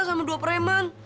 sama dua preman